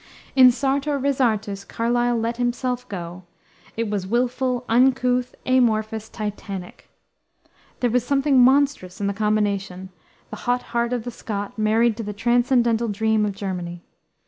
In Sartor Resartus Carlyle let himself go. It was willful, uncouth, amorphous, titanic. There was something monstrous in the combination, the hot heart of the Scot married to the transcendental dream of Germany.